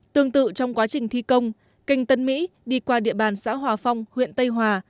tương tự trong quá trình thi công canh tân mỹ đi qua địa bàn xã hòa phong huyện tây hòa